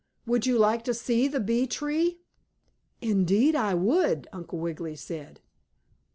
Would you like to see the bee tree?" "Indeed, I would," Uncle Wiggily said.